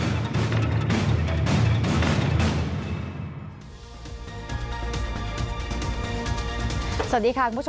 อันดับสุดท้ายแก่มือ